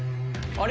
あれ？